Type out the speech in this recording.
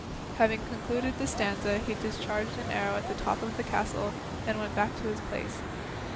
Having concluded the stanza he discharged an arrow at the top of the castle, and went back to his place.